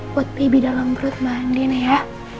buat bibi dalam perut mbak andin ya